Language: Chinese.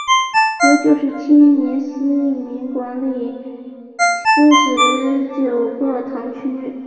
由九十七名司铎名管理四十九个堂区。